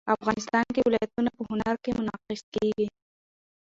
افغانستان کې ولایتونه په هنر کې منعکس کېږي.